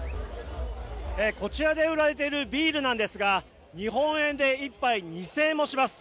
こちらで売られているビールなんですが日本円で１杯２０００円もします。